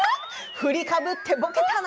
振りかぶってぼけたね。